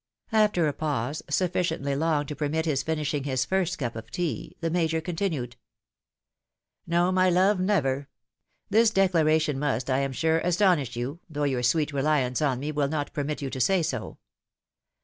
After a pause, sufficiently long to permit his finishing his first cup of tea, the Major continued. " No, my love, never ! This declaration must, I am sure, astonish you, though your sweet reliance on me will not permit you to say so.